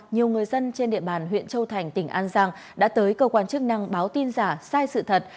nhiều người dân trên địa bàn huyện châu thành tỉnh an giang đã tới cơ quan chức năng báo tin giả sai sự thật